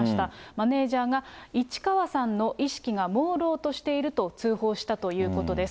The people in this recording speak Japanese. マネージャーが市川さんの意識がもうろうとしていると通報したということです。